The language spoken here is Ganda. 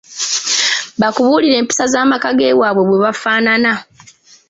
Bakubuulire empisa ze amaka gewaabwe bwe gafaanana.